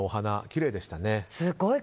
きれいでしたね。